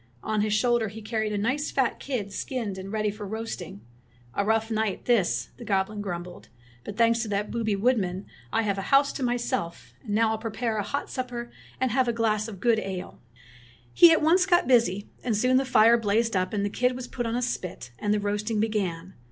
On his shoulder he carried a nice fat kid skinned and ready for roasting. ''A rough night this," thegoblin grumbled, ''but thanks to that booby woodman I have 22 Fairy Tale Bears a house to myself; and now I 'll prepare a hot supper and have a glass of good ale." He at once got busy, and soon the fire blazed up, and the kid was put on a spit, and the roasting began.